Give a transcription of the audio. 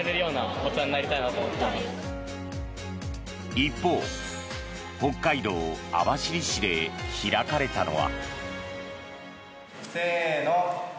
一方北海道網走市で開かれたのは。